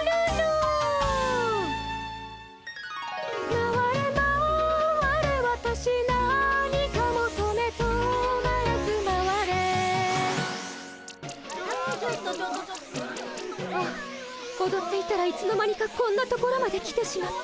まわれまわれわたし何かもとめ止まらずまわれああおどっていたらいつの間にかこんなところまで来てしまった。